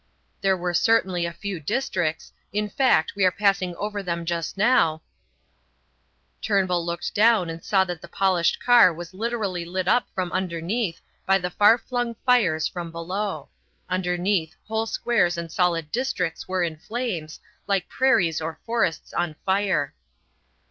"There were certainly a few districts; in fact, we are passing over them just now " Turnbull looked down and saw that the polished car was literally lit up from underneath by the far flung fires from below. Underneath whole squares and solid districts were in flames, like prairies or forests on fire.